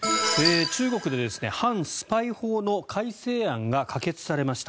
中国で反スパイ法の改正案が可決されました。